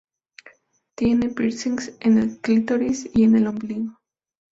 Tiene piercings en el clítoris y en el ombligo.